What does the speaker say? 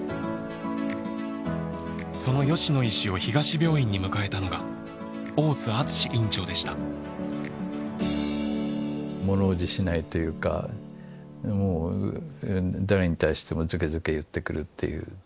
その吉野医師を東病院に迎えたのが物おじしないというかもう誰に対してもズケズケ言ってくるっていう。